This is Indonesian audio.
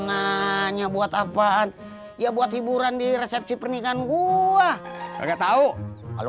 nanya buat apaan ya buat hiburan di resepsi pernikahan gua enggak tahu kalau